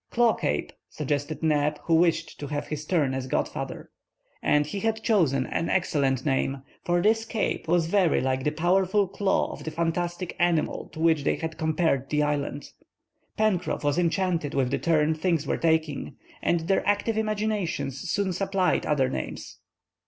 "Claw Cape," suggested Neb, who wished to have his turn as godfather. And he had chosen an excellent name; for this Cape was very like the powerful claw of the fantastic animal to which they had compared the island. Pencroff was enchanted with the turn things were taking, and their active imaginations soon supplied other names.